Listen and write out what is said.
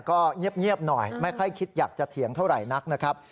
ก็เงียบหน่อยไม่ค่อยคิดอยากจะเถียงเท่าไหร่นักนะครับ